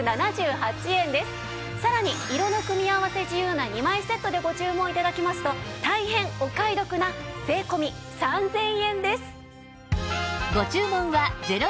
さらに色の組み合わせ自由な２枚セットでご注文頂きますと大変お買い得な税込３０００円です。